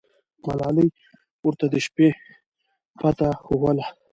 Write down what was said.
ملالۍ ورته د شپې پته ښووله.